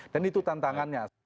dan itu tantangannya